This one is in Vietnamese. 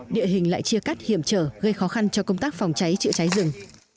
địa hình lại chia cắt hiểm trở gây khó khăn cho công tác phòng cháy chữa cháy rừng